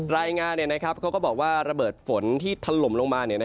รายงานเขาก็บอกว่าระเบิดฝนที่ถล่มลงมา